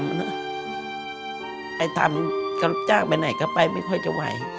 ไอ้ตังค์ก็จ้างไปไหนก็ไปไม่ค่อยจะไหว